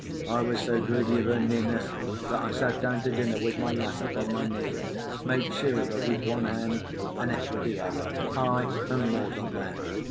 I was so greedy of her nearness that I sat down to dinner with my lass upon my knee, made sure of her with one hand, and ate with the other. Ay, and more than that.